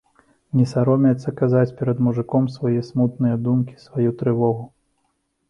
Не саромеецца казаць перад мужыком свае смутныя думкі, сваю трывогу.